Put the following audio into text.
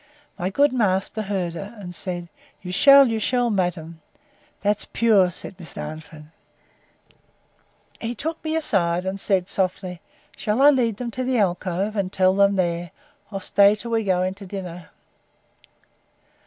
My good master heard her, and said, You shall, you shall, madam.—That's pure, said Miss Darnford. He took me aside, and said softly, Shall I lead them to the alcove, and tell them there, or stay till we go in to dinner?